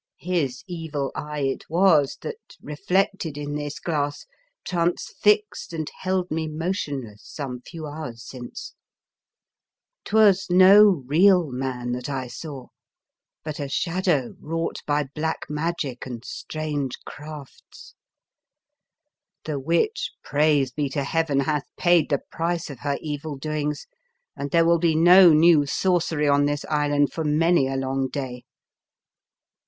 His evil eye it was that, reflected in this glass, transfixed and held me mo tionless some few hours since. 'Twas 93 The Fearsome Island no real man that I saw, but a shadow wrought by black magic and strange crafts. The witch, praise be to Heaven, hath paid the price of her evil doings, and there will be no new Sorcery on this island for many a long day!"